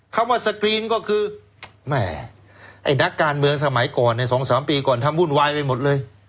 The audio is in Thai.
คำว่าสกรีนก็คือแหมไอ้นักการเมืองสมัยก่อนใน๒๓ปีก่อนทำวุ่นวายไปหมดเลย